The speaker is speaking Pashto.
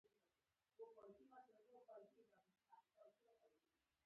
ایا د دندې پریښودونکی مستعفي ګڼل کیږي؟